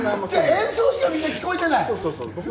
演奏しかみんな聞こえてない。